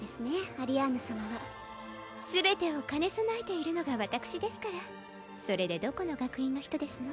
アリアーヌ様は全てを兼ね備えているのが私ですからそれでどこの学院の人ですの？